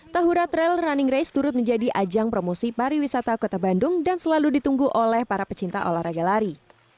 tahura trail running race turut menjadi ajang promosi pariwisata kota bandung dan selalu ditunggu oleh para pecinta olahraga lari